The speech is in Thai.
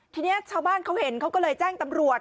ทีนี้ชาวบ้านเขาเห็นเขาก็เลยแจ้งตำรวจ